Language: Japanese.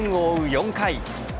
４回。